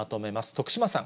徳島さん。